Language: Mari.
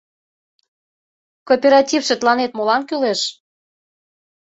Кооперативше тыланет молан кӱлеш?